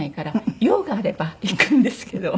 用があれば行くんですけど。